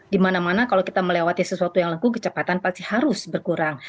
di mana mana kalau kita melewati sesuatu yang lengkuh kecepatan pasti harus berkurang